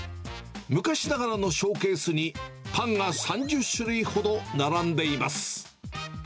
昔ながらのショーケースに、パンが３０種類ほど並んでいます。